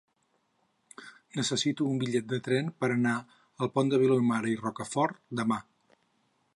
Necessito un bitllet de tren per anar al Pont de Vilomara i Rocafort demà.